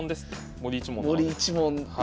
森一門の。